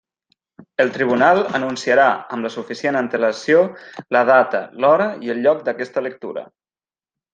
El tribunal anunciarà amb la suficient antelació la data, l'hora i el lloc d'aquesta lectura.